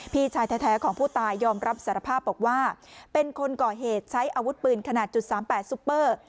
พี่ชายแท้ของผู้ตายยอมรับสารภาพบอกว่าเป็นคนก่อเหตุใช้อาวุธปืนขนาดจุดสามแปดซุปเปอร์